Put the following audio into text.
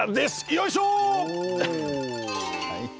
よいしょ！